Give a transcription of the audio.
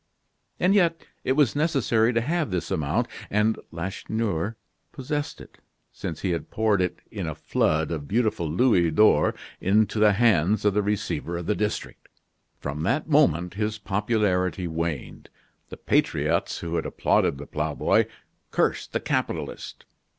And yet, it was necessary to have this amount, and Lacheneur possessed it, since he had poured it in a flood of beautiful louis d'or into the hands of the receiver of the district. From that moment his popularity waned. The patriots who had applauded the ploughboy, cursed the capitalist.